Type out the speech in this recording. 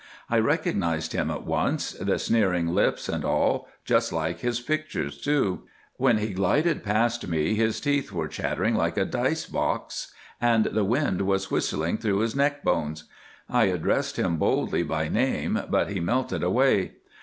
I recognised him at once—the sneering lips and all, just like his pictures, too. When he glided past me his teeth were chattering like a dice box, and the wind was whistling through his neck bones. I addressed him boldly by name, but he melted away.